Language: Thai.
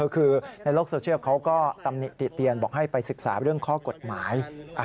คือในโลกโซเชียลเขาก็ตำหนิติเตียนบอกให้ไปศึกษาเรื่องข้อกฎหมาย